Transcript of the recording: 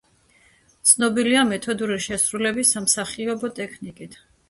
ცნობილია მეთოდური შესრულების სამსახიობო ტექნიკით.